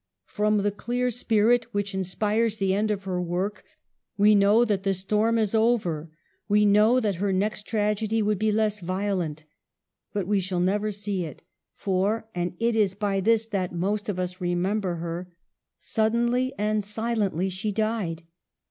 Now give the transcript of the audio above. From the clear spirit which inspires the end of her work, we know that the storm is over ; we know that her next tragedy would be less violent. But we shall never see it; for — and it is by this that most of us remember her — suddenly and silently she died.